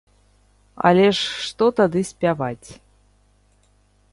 Але ж што тады спяваць?